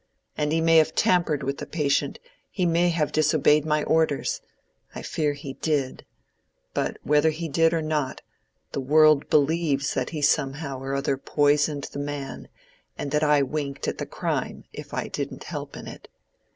And he may have tampered with the patient—he may have disobeyed my orders. I fear he did. But whether he did or not, the world believes that he somehow or other poisoned the man and that I winked at the crime, if I didn't help in it.